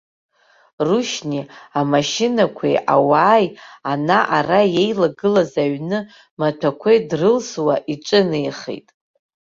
Рушьни, амашьынақәеи, ауааи, ана-ара еилагылаз аҩны маҭәақәеи дрылсуа, иҿынеихеит.